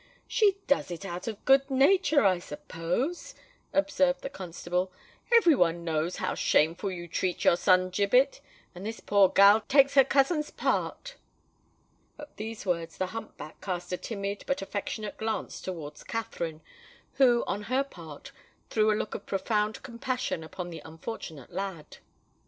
"She does it out of good nature, I suppose," observed the constable. "Every one knows how shameful you treat your son Gibbet; and this poor gal takes her cousin's part." At these words the hump back cast a timid but affectionate glance towards Katherine, who, on her part, threw a look of profound compassion upon the unfortunate lad.